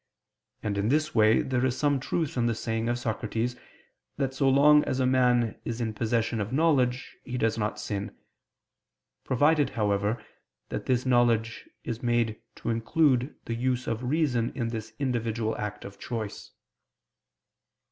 And in this way, there is some truth in the saying of Socrates that so long as a man is in possession of knowledge he does not sin: provided, however, that this knowledge is made to include the use of reason in this individual act of choice.